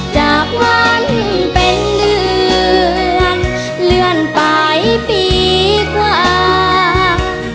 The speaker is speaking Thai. จากวันเป็นเดือนเลื่อนไปปีกว่า